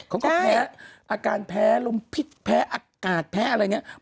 เขาก็แพ้อาการแพ้ลมพิษแพ้อากาศแพ้อะไรอย่างนี้